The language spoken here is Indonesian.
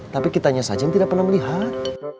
tapi kita hanya saja yang tidak pernah melihat